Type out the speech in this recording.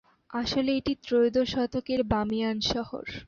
আসলে এটি ত্রয়োদশ শতকের বামিয়ান শহর।